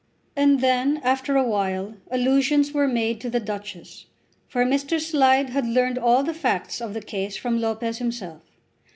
And then, after a while, allusions were made to the Duchess; for Mr. Slide had learned all the facts of the case from Lopez himself.